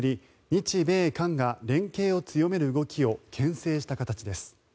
日米韓が連携を強める動きをけん制した形です。